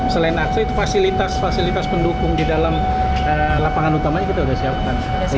selain akses fasilitas fasilitas pendukung di dalam lapangan utamanya kita sudah siapkan